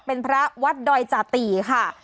เป็นพระวัดดอยจาติค่ะ